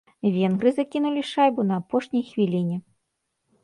Венгры закінулі шайбу на апошняй хвіліне.